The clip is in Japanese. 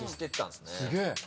すげえ。